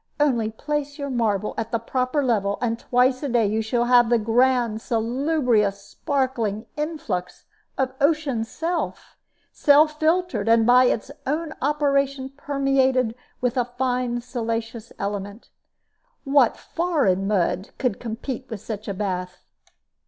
Only place your marble at the proper level, and twice a day you have the grand salubrious sparkling influx of ocean's self, self filtered, and by its own operation permeated with a fine siliceous element. What foreign mud could compete with such a bath?"